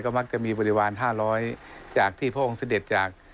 ก็มักจะมีบริวารห้าร้อยจากที่พระองค์เสด็จจาก